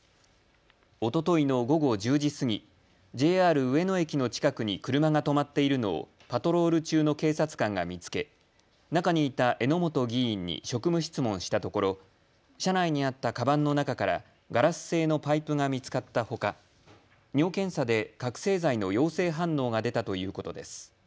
おとといの午後１０時過ぎ、ＪＲ上野駅の近くに車が止まっているのをパトロール中の警察官が見つけ中にいた榎本議員に職務質問したところ車内にあったかばんの中からガラス製のパイプが見つかったほか、尿検査で覚醒剤の陽性反応が出たということです。